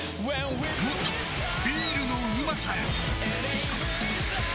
もっとビールのうまさへ！